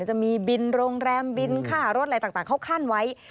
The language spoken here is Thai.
จะมีบินโรงแรมบินค่ารถอะไรต่างเขาขั้นไว้